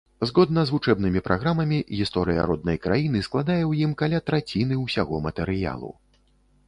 Згодна з вучэбнымі праграмамі, гісторыя роднай краіны складае ў ім каля траціны ўсяго матэрыялу.